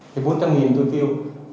thì bốn trăm linh nghìn tôi tiêu